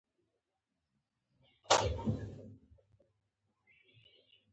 سر مې ټیټ کړ، سجده شوم